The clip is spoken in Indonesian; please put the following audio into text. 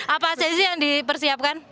apa sesi yang dipersiapkan